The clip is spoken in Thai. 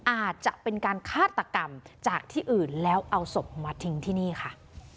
อาจจะเป็นการฆาตกรรมจากที่อื่นแล้วเอาศพมาทิ้งที่นี่ค่ะ